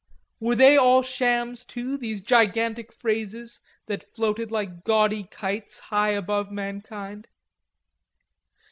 Were they all shams, too, these gigantic phrases that floated like gaudy kites high above mankind?